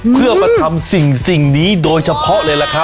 เพื่อมาทำสิ่งนี้โดยเฉพาะเลยล่ะครับ